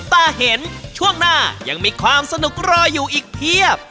เป็นโรคปอดสองข้างครับ